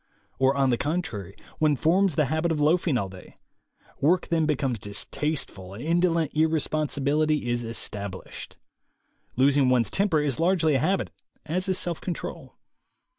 Or, on the contrary, one forms the habit of loafing all day. Work then becomes distasteful and indolent irresponsibility is established. Losing one's temper is largely a habit, as is self control.